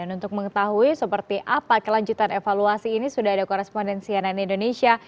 untuk mengetahui seperti apa kelanjutan evaluasi ini sudah ada korespondensi yang lain di indonesia